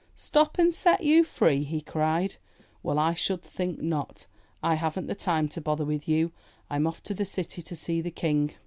*'Stop and set you free!'* he cried. Well, I should think not! I haven't the time to bother with you! I'm off to the city to see the King!"